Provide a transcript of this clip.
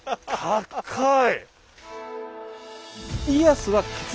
高い！